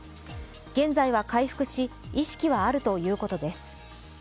現在は回復し、意識はあるということです。